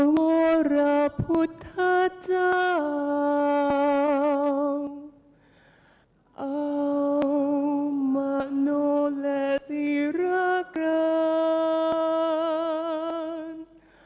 ภาวรพุทธเจ้าอาวมะโนแลสิรกัน